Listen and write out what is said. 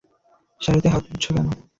শাড়িতে হাত মুছছো কেন?